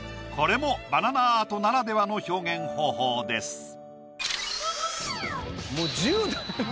これもバナナアートならではの表現方法です。